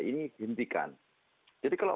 ini dihentikan jadi kalau